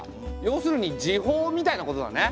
要するに時報みたいなことだね。